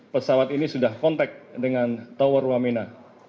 pesawat ini sudah kontak dengan tower wamena